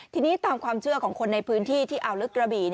ทีนี้ตามความเชื่อของคนในพื้นที่ที่อ่าวลึกกระบี่